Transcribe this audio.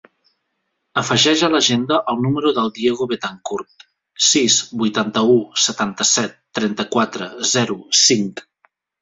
Afegeix a l'agenda el número del Diego Betancourt: sis, vuitanta-u, setanta-set, trenta-quatre, zero, cinc.